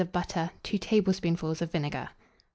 of butter, 2 tablespoonfuls of vinegar.